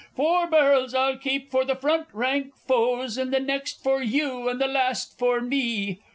"Four barrels I'll keep for the front rank foes and the next for you and the last for me!"